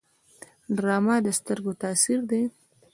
ډرامه د سترګو تاثیر دی